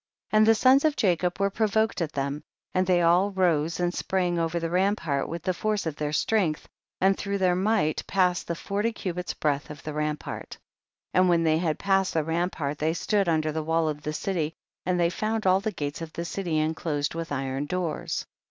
27. And the sons of Jacob were provoked at them, and they all rose and sprang over the rampart with the force of their strength, and through their might passed the forty cubits' breadth of the rampart. 28. And when they had passed the rampart they stood under the wall of the city, and they found all the gates of the city enclosed with iron doors.